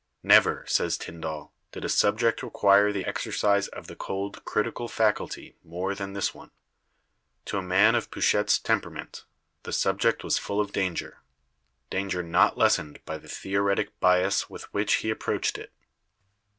"Never," says Tyndall, "did a subject require the exercise of the cold critical faculty more than this one. To a man of Pouchet's temperament the subject was full of danger — danger not lessened by the theoretic bias with which he approached it."